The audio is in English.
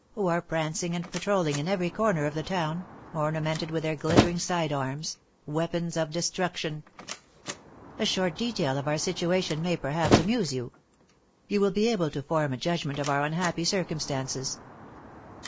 who are prancing and patrolling in every corner of the town, ornamented with their glittering side arms weapons of destruction. A short detail of our situation may perhaps amuse you. You will be able to form a judgment of our unhappy circumstances.